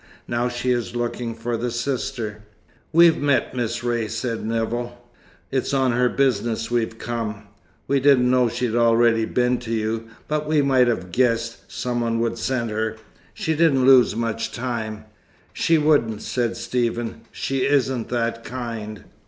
Now she is looking for the sister." "We've met Miss Ray," said Nevill. "It's on her business we've come. We didn't know she'd already been to you, but we might have guessed some one would send her. She didn't lose much time." "She wouldn't," said Stephen. "She isn't that kind."